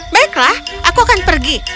baiklah aku akan pergi